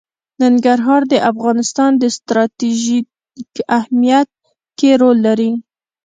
ننګرهار د افغانستان په ستراتیژیک اهمیت کې رول لري.